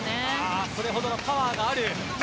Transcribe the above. それほどのパワーがある。